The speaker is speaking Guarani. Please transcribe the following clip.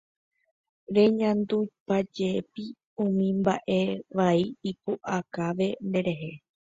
Reñandúpajepi umi mba'evai ipu'akave nderehe.